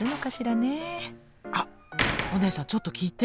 あっお姉さんちょっと聞いて。